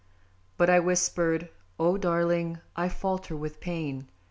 But I whispered: "O Darling, I falter with pain!"